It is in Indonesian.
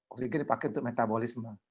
oksigen dipakai untuk metabolisme